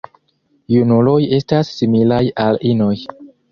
Junuloj estas similaj al inoj.